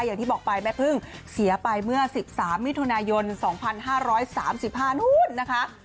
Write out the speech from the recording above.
อย่างที่บอกไปแม่พึ่งเสียไปเมื่อ๑๓มิถุนายน๒๕๓๕นู้นนะคะ